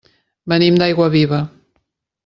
Venim d'Aiguaviva.